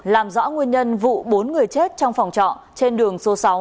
làm rõ nguyên nhân vụ bốn người chết trong phòng trọ trên đường số sáu